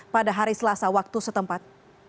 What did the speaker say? pada hari selasa waktu setempat